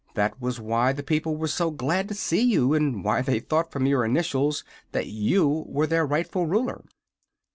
That was why the people were so glad to see you, and why they thought from your initials that you were their rightful ruler."